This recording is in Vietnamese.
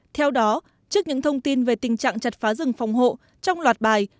theo đó trước những thông tin về tình trạng chặt phá rừng phòng hộ trong loạt bài